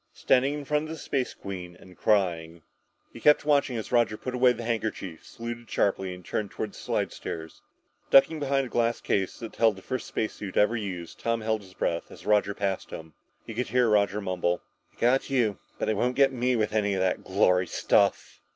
Standing in front of the Space Queen and crying! He kept watching as Roger put away the handkerchief, saluted sharply and turned toward the slidestairs. Ducking behind a glass case that held the first space suit ever used, Tom held his breath as Roger passed him. He could hear Roger mumble. "They got you but they won't get me with any of that glory stuff!"